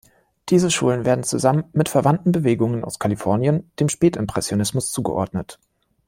Diese Schulen werden zusammen mit verwandten Bewegungen aus Kalifornien dem Spätimpressionismus zugeordnet.